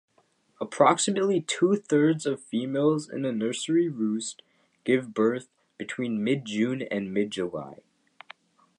Approximately two-thirds of females in a nursery roost give birth between mid-June and mid-July.